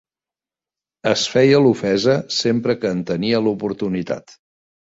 Es feia l'ofesa sempre que en tenia l'oportunitat.